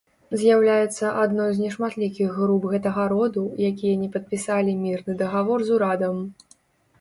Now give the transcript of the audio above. З'яўляецца адной з нешматлікіх груп гэтага роду, якія не падпісалі мірны дагавор з урадам.